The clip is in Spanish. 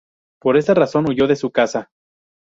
Por esta razón, huyó de su casa.